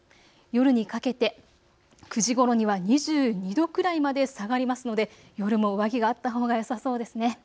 夜にかけて９時ごろには２２度くらいまで下がりますので夜も上着があったほうがよさそうですね。